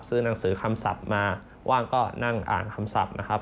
หนังสือคำศัพท์มาว่างก็นั่งอ่านคำศัพท์นะครับ